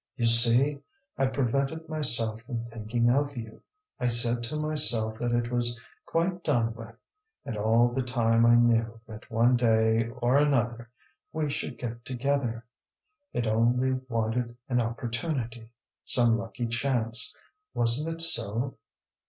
"You see, I prevented myself from thinking of you. I said to myself that it was quite done with, and all the time I knew that one day or another we should get together. It only wanted an opportunity some lucky chance. Wasn't it so?"